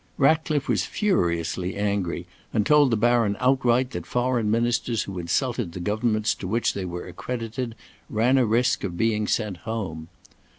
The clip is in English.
Ratcliffe was furiously angry, and told the Baron outright that foreign ministers who insulted the governments to which they were accredited ran a risk of being sent home.